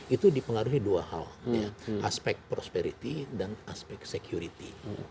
itu dipengaruhi dua hal aspek prosperity dan aspek security